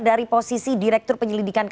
dari posisi direktur penyelidikan